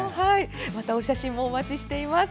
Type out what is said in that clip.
またお写真、お待ちしております。